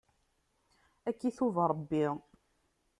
Ad k-itub Ṛebbi.